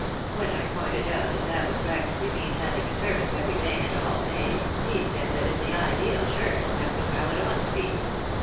When I pointed out that that would practically mean having a service every day and all day, he said that in the ideal church that was how it ought to be.